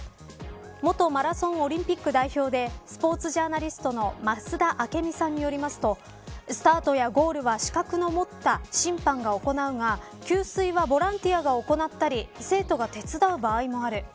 元マラソンオリンピック代表でスポーツジャーナリストの増田明美さんによりますとスタートやゴールは資格を持った審判が行うが給水はボランティアが行ったり生徒が手伝う場合もある。